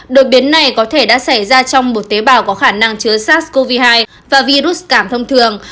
đột biến này có thể đã xảy ra trong một tế bào có khả năng chứa sars cov hai và virus cảm thông thường